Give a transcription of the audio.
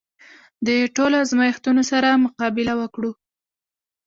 د ټولو ازمېښتونو سره مقابله وکړو.